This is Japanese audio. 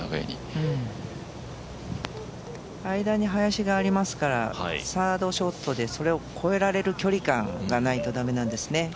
間に林がありますから、サードショットでそれを越えられる距離感がないと駄目なんですね。